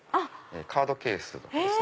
カードケースです